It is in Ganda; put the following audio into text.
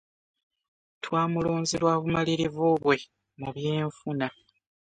Twamulonze lwa bumalirivu bwe mu byenfuna.